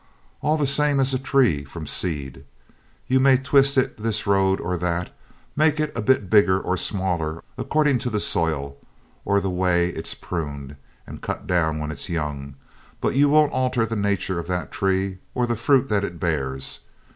All the same as a tree from seed. You may twist it this road or that, make it a bit bigger or smaller according to the soil or the way it's pruned and cut down when it's young, but you won't alter the nature of that tree or the fruit that it bears.